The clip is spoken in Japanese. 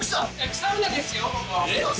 サウナです。